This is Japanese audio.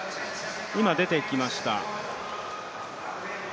今出てきました。